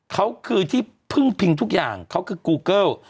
เขาคือที่พึ่งพิงทุกอย่างเขาคือกูเกิล